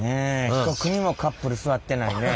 一組もカップル座ってないね。